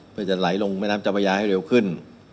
เพื่อจะไหลลงแม่น้ำเจ้าพระยาให้เร็วขึ้น